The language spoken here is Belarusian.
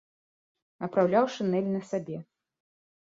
Апраўляў шынель на сабе.